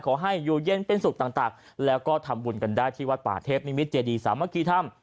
ขอให้อยู่เย็นเป็นสุขต่างแล้วก็ทำบุญกันได้ที่วัดป่าเทพนิมิตเจดีสามัคคีธรรม